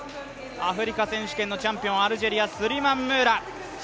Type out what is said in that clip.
アフリカ選手権のチャンピオン、アルジェリア、スリマン・ムーラ。